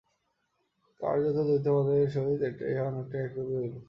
কার্যত দ্বৈতবাদের সহিত ইহা অনেকটা একরূপই হইল।